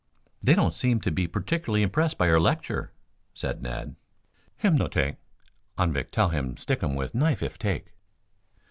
"They don't seem to be particularly impressed by your lecture," said Ned. "Him no take. Anvik tell um stick um with knife if take."